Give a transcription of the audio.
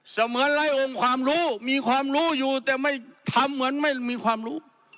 เหมือนไร้องค์ความรู้มีความรู้อยู่แต่ไม่ทำเหมือนไม่มีความรู้